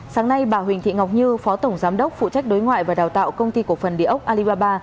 sáng nay bà huỳnh thị ngọc như phó tổng giám đốc phụ trách đối ngoại và đào tạo công ty cổ phần địa ốc alibaba